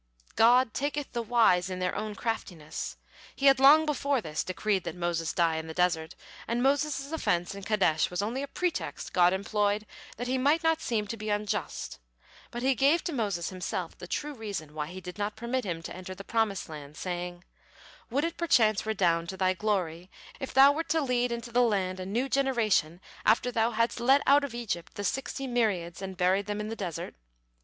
God "taketh the wise in their own craftiness." He had long before this decreed that Moses die in the desert, and Moses' offense in Kadesh was only a pretext God employed that He might not seem to be unjust. But He gave to Moses himself the true reason why He did not permit him to enter the promised land, saying: "Would it perchance redound to thy glory if thou wert to lead into the land a new generation after thou hadst led out of Egypt the sixty myriads and buried them in the desert?